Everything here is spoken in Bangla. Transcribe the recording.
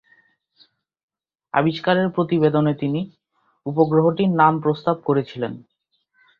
আবিষ্কারের প্রতিবেদনে তিনি উপগ্রহটির নাম প্রস্তাব করেছিলেন।